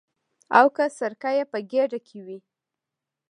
او که سرکه یې په ګېډه کې وي.